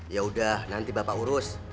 yaudah nanti bapak urus